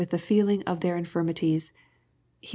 with tte feeling of their infirmities. (Heb.